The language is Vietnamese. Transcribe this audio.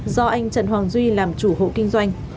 do anh trần hoàng duy làm chủ hộ kinh doanh